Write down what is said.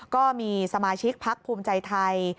ก็มีสมาชิกพักภูมิใจไทย